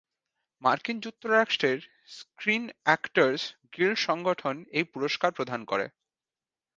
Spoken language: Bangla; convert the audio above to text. মার্কিন যুক্তরাষ্ট্রের স্ক্রিন অ্যাক্টরস গিল্ড সংগঠন এই পুরস্কার প্রদান করে।